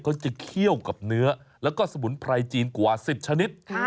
จะเคี่ยวกับเนื้อแล้วก็สมุนไพรจีนกว่า๑๐ชนิด